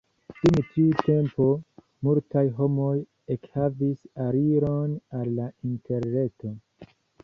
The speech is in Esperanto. Dum tiu tempo multaj homoj ekhavis aliron al la interreto.